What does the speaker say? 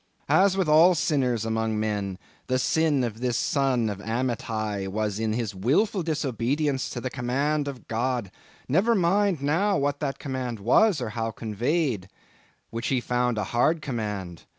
As with all sinners among men, the sin of this son of Amittai was in his wilful disobedience of the command of God—never mind now what that command was, or how conveyed—which he found a hard command.